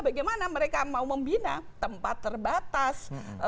bagaimana mereka mau membina tempat terbatas